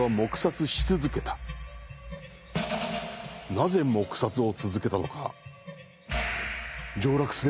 なぜ黙殺を続けたのか。